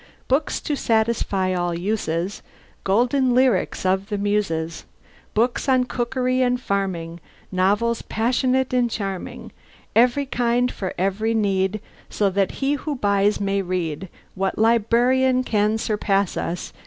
Books to satisfy all uses, Golden lyrics of the Muses, Books on cookery and farming, Novels passionate and charming, Every kind for every need So that he who buys may read. What librarian can surpass us?